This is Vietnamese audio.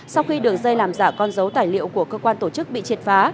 sau khi đường dây làm giả con dấu tài liệu của cơ quan tổ chức bị triệt phá